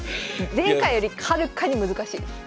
前回よりはるかに難しいです。